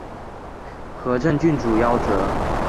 和政郡主夭折。